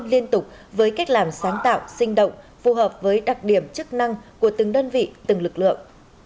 liên tục với cách làm sáng tạo sinh động phù hợp với đặc điểm chức năng của từng đơn vị từng lực lượng